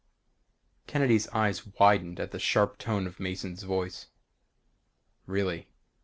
Kennedy's eyes widened at the sharp tone of Mason's voice. Really.